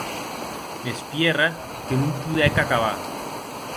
Mès Pierre que non podec acabar.